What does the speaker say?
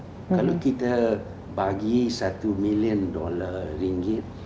jika kita memberikan satu miliar dolar